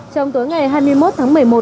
trong tối ngày hai mươi một tháng một mươi một